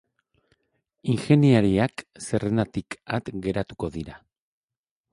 Ingeniariak zerrendatik at geratuko dira.